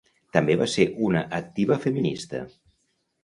També va ser una activa feminista.